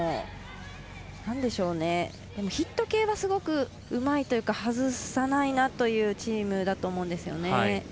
ヒット系はすごくうまいというか外さないなというチームだと思うんですよね。